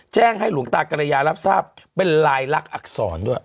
แจ้งให้หลวงตากรยารับทราบเป็นลายลักษณอักษรด้วย